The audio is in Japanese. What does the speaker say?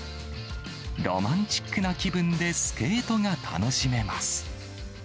ロマンチックな気分でスケートが楽しめます。